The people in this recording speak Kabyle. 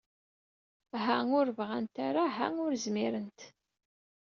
Ha ur bɣant ara, ha ur zmirent.